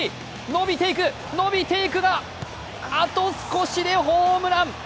伸びていく、伸びていくがあと少しでホームラン。